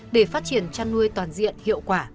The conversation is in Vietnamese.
để phát triển chăn nuôi toàn diện hiệu quả